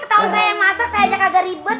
setahun saya yang masak saya ajak agak ribet